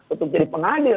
untuk jadi pengadil